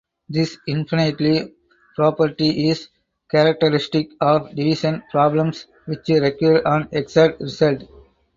This infinity property is characteristic of division problems which require an exact result.